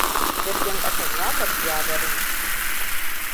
Jirgin kasan ya tafi ya barni.